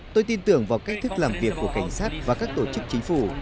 tôi tin tưởng vào cách thức làm việc của cảnh sát và các tổ chức chính phủ